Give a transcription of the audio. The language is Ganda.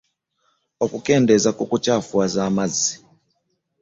Okukendeeza ku kukyafuwaza amazzi.